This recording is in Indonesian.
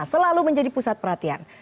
selalu menjadi pusat perhatian